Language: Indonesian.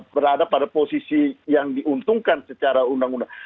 berada pada posisi yang diuntungkan secara undang undang